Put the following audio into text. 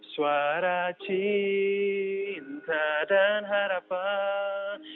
suara cinta dan harapan